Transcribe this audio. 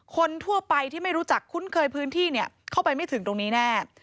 คนทั่วไปที่ไม่รู้จักคุ้นเคยพื้นที่เข้าไปไม่ถึงตรงนี้แน่